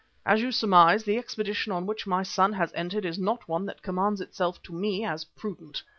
As you surmise, the expedition on which my son has entered is not one that commends itself to me as prudent.